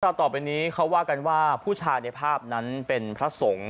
ต่อไปนี้เขาว่ากันว่าผู้ชายในภาพนั้นเป็นพระสงฆ์